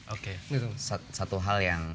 oke satu hal yang